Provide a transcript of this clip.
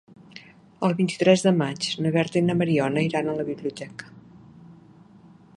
El vint-i-tres de maig na Berta i na Mariona iran a la biblioteca.